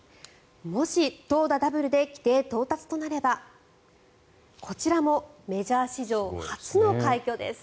もし、投打ダブルで規定到達となればこちらもメジャー史上初の快挙です。